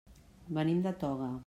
Venim de Toga.